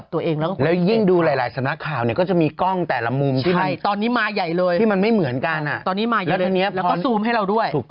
ถูกต้องมันเหมือนตอกย้าม